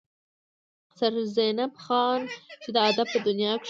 سرنزېب خان چې د ادب پۀ دنيا کښې